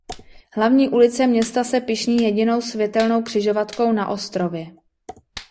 Hlavní ulice města se pyšní jedinou světelnou křižovatkou na ostrově.